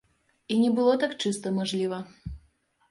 І не было так чыста, мажліва.